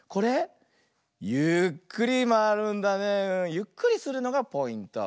ゆっくりするのがポイント。